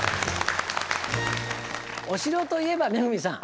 お城といえば恵さん。